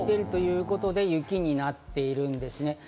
ということで雪になっているんですね。